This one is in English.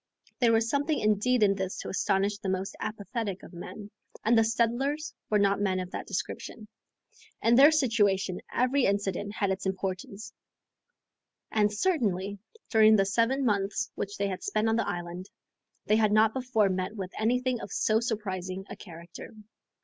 There was something indeed in this to astonish the most apathetic of men, and the settlers were not men of that description. In their situation every incident had its importance, and, certainly, during the seven months which they had spent on the island, they had not before met with anything of so surprising a character.